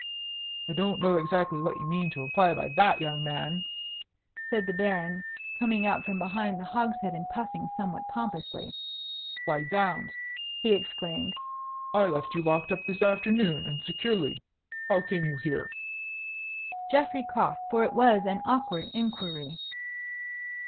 "I don't know exactly what you mean to imply by that, young man," said the Baron, coming out from behind the hogshead and puffing somewhat pompously. "Why, zounds!" he exclaimed, "I left you locked up this afternoon, and securely. How came you here?" Geoffrey coughed, for it was an awkward inquiry.